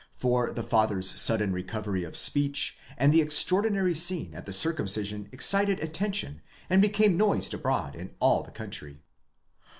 —for the father's sudden recovery of speech, and the extraordinary scene at the circumcision excited attention and became noised abroad in all the country.